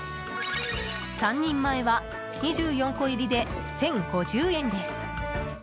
３人前は２４個入りで１０５０円です。